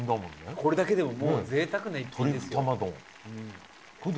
これだけでももうぜいたくな一品ですよトリュフたま丼